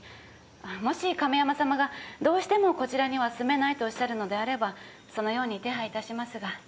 もし亀山様がどうしてもこちらには住めないとおっしゃるのであればそのように手配いたしますが。